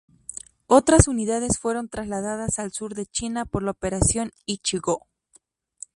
Otras unidades fueron trasladadas al sur de China por la Operación Ichi-Go.